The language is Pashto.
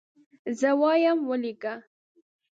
زه وایم ولیکه.